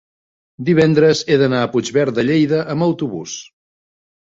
divendres he d'anar a Puigverd de Lleida amb autobús.